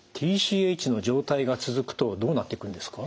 ＴＣＨの状態が続くとどうなっていくんですか？